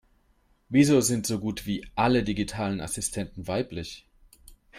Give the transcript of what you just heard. Wieso sind so gut wie alle digitalen Assistenten weiblich?